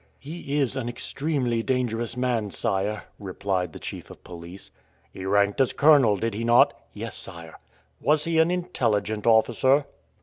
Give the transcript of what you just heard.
"He is an extremely dangerous man, sire," replied the chief of police. "He ranked as colonel, did he not?" "Yes, sire." "Was he an intelligent officer?"